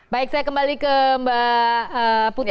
baik saya kembali ke mbak putri